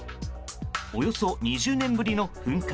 およそ２０年ぶりの噴火。